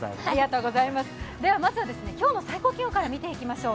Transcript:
ではまずは今日の最高気温から見ていきましょう。